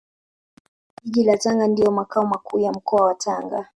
Jiji la Tanga ndio Makao Makuu ya Mkoa wa Tanga